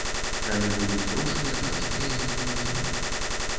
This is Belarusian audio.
Калі будуць грошы ляжаць, я іх не вазьму.